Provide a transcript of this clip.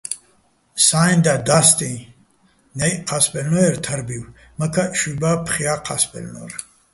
სა́ნი დაჰ̦ და́სტიჼ, ნჵაჲჸი̆ ჴა́სბაჲლნო́ერ თარბივ, მაქაჸ შუ́ჲბა́ჲ, ფხეა́ ჴა́სბაჲლნო́რ.